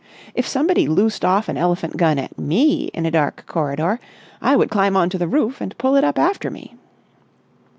If somebody loosed off an elephant gun at me in a dark corridor, I would climb on to the roof and pull it up after me.